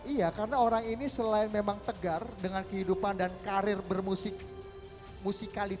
iya karena orang ini selain memang tegar dengan kehidupan dan karir bermusik musikalitas